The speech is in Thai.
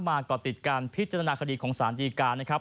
ก่อติดการพิจารณาคดีของสารดีการนะครับ